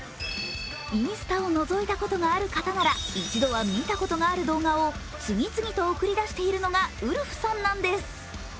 インスタをのぞいたことがある方なら一度は見たことがある動画を次々と送り出しているのがウルフさんなんです。